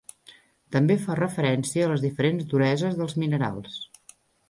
També fa referència a les diferents dureses dels minerals.